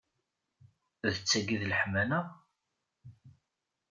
D taki i d leḥmala?